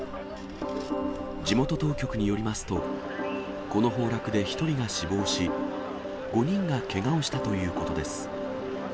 地元当局によりますと、この崩落で１人が死亡し、５人がけがをしたということです。